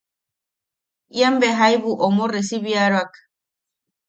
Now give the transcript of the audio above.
Ian bea jaibu omo recibieroak.